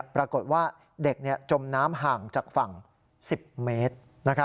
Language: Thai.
ปรากฏว่าเด็กจมน้ำห่างจากฝั่ง๑๐เมตร